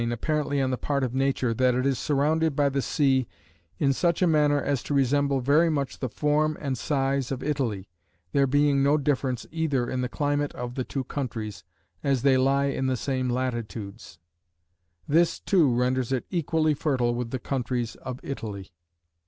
83 apparently on the part of nature, that it is surrounded by the sea in such a manner as to resemble very much the form and size ^^ of Italy, there being no difference either in the climate of the two countries, as they lie in the same latitudes. ^°* This, too, renders it equally fertile with the countries of Italy.